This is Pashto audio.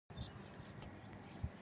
خو زموږ انساني مساله نور عوامل هم لري.